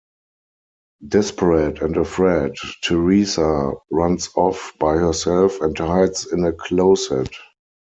Desperate and afraid, Teresa runs off by herself and hides in a closet.